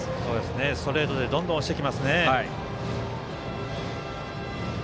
ストレートでどんどん押してきますね。